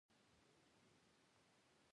یوه افغانۍ څو پوله ده؟